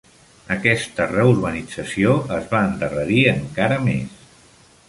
Aquesta reurbanització es va endarrerir encara més.